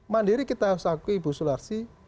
mandiri kita harus akui ibu sularsi